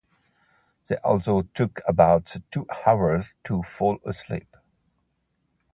They also took about two hours to fall asleep.